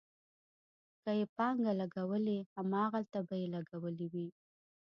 که یې پانګه لګولې، هماغلته به یې لګولې وي.